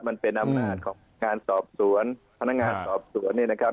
มันเป็นอำนาจของการสอบสวนพนักงานสอบสวนเนี่ยนะครับ